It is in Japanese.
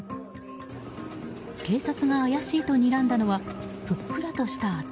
警察が怪しいとにらんだのはふっくらとした頭。